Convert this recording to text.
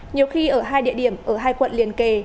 nhiều khi ở hai địa điểm ở hai quận liên kề